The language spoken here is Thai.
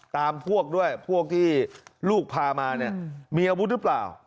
ตามพวกด้วยพวกที่ลูกพามามีอาวุธหรือเปล่า